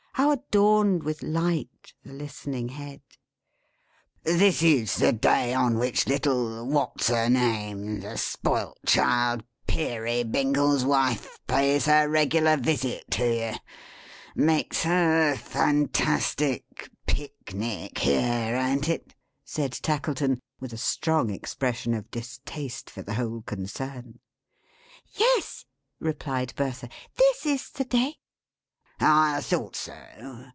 How adorned with light, the listening head! "This is the day on which little what's her name; the spoilt child; Peerybingle's wife; pays her regular visit to you makes her fantastic Pic Nic here; an't it?" said Tackleton, with a strong expression of distaste for the whole concern. "Yes," replied Bertha. "This is the day." "I thought so!"